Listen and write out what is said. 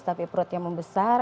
tapi perutnya membesar